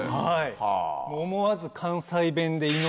はいもう思わず関西弁で。